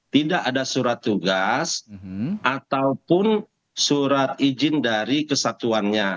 tidak ada surat tugas ataupun surat izin dari kesatuannya